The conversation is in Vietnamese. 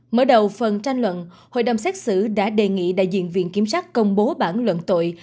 mở đầu phần tranh luận hội đồng xét xử đã đề nghị đại diện viện kiểm sát công bố bản luận tội